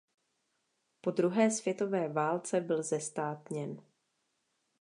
Po druhé světové válce byl zestátněn.